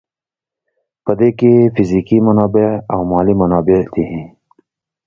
په دې کې فزیکي منابع او مالي منابع دي.